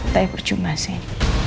tapi percuma sih